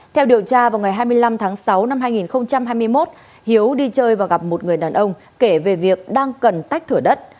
theo điều tra vào ngày hai mươi năm tháng sáu năm hai nghìn hai mươi một hiếu đi chơi và gặp một người đàn ông kể về việc đang cần tách thửa đất